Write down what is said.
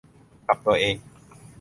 กับตัวเอง